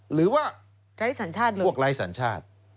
หรือว่าพวกไร้สัญชาติ